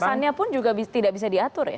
kesannya pun juga tidak bisa diatur ya